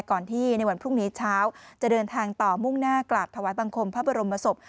ก่อนที่ในวันพรุ่งนี้เช้าจะเดินทางต่อมุ่งหน้ากราบถวายบังคมพระบรมศพ